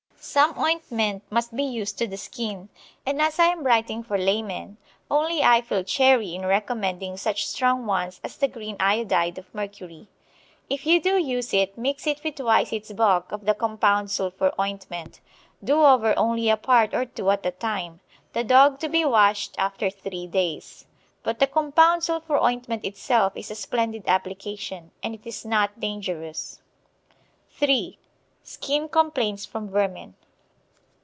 Some ointment must be used to the skin, and as I am writing for laymen only I feel chary in recommending such strong ones as the green iodide of mercury. If you do use it mix it with twice its bulk of the compound sulphur ointment. Do over only a part or two at a time. The dog to be washed after three days. But the compound sulphur ointment itself is a splendid application, and it is not dangerous. (3) Skin Complaints from Vermin.